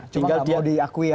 cuma tidak mau diakui aja ya